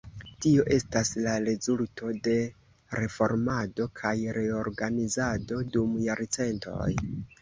Tio estas la rezulto de reformado kaj reorganizado dum jarcentoj.